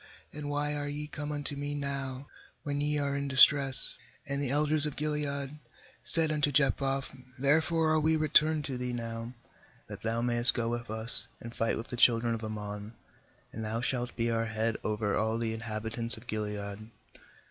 and why are ye come unto me now when ye are in distress?' 8And the elders of Gilead said unto Jephthah: 'Therefore are we returned to thee now, that thou mayest go with us, and fight with the children of Ammon, and thou shalt be our head over all the inhabitants of Gilead.'